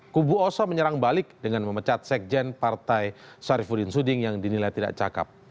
kubu oso menyerang balik dengan memecat sekjen partai sarifudin suding yang dinilai tidak cakep